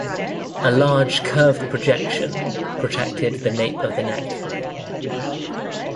A large curved projection protected the nape of the neck.